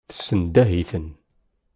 Tessendah-iten.